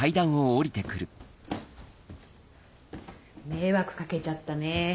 迷惑かけちゃったね。